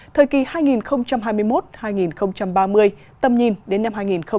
thời kỳ hai nghìn hai mươi một hai nghìn ba mươi tầm nhìn đến năm hai nghìn năm mươi